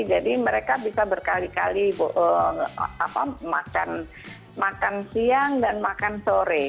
jadi mereka bisa berkali kali makan siang dan makan sore